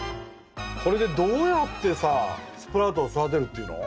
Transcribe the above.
これでどうやってさスプラウトを育てるっていうの？